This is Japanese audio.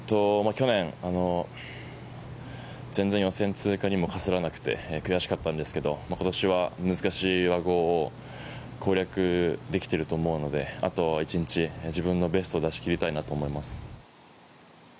去年、全然、予想通過にもかすらなくて悔しかったんですけど今年は難しい和合を攻略できてると思うのであと１日、自分のベストを出し切りたいなと思っています。